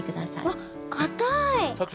わっかたい。